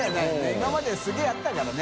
今まですげぇあったからね。